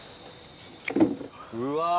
うわ！